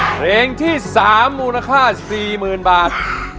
เพลงที่๓มูลค่า๔๐๐๐บาท